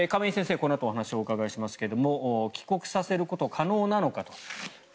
このあとお話をお伺いしますが帰国させることは可能なのか？と。